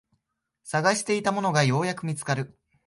探していたものがようやく見つかる